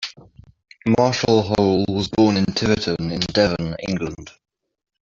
Marshall Hole was born in Tiverton in Devon, England.